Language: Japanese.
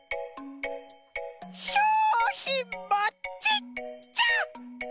しょうひんもちっちゃ！